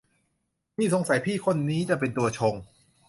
นี่สงสัยพี่คนนี้จะเป็นตัวชง